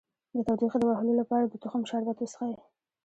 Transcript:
د تودوخې د وهلو لپاره د تخم شربت وڅښئ